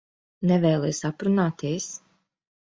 Nevēlies aprunāties?